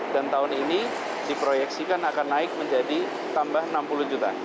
dan tahun ini diproyeksikan akan naik menjadi tambah enam puluh juta